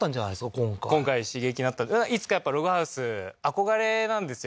今回今回刺激になったいつかやっぱログハウス憧れなんですよ